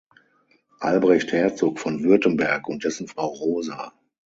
Albrecht Herzog von Württemberg und dessen Frau Rosa.